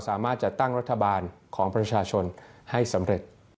สามารถจัดตั้งรัฐบาลของประชาชนให้สำเร็จ